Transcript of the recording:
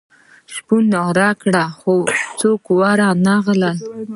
شپون نارې کړې خو څوک ور نه غلل.